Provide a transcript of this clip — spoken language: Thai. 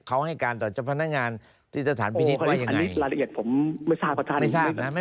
เขาจะให้การต่อพนักงานสถาปินิษฐ์ว่ายังไง